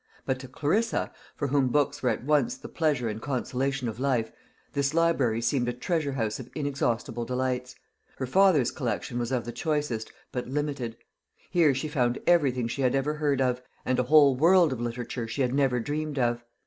But to Clarissa, for whom books were at once the pleasure and consolation of life, this library seemed a treasure house of inexhaustible delights. Her father's collection was of the choicest, but limited. Here she found everything she had ever heard of, and a whole world of literature she had never dreamed of.